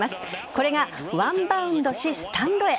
これがワンバウンドしスタンドへ。